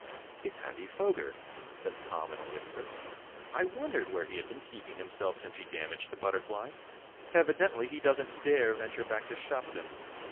"It's Andy Foger!" said Tom, in a whisper. "I wondered where he had been keeping himself since he damaged the Butterfly. Evidently he doesn't dare venture back to Shopton.